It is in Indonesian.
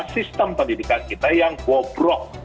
sistem pendidikan kita yang bobrok